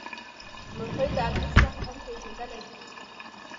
مرغۍ د الوت څخه هم پېژندلی شو.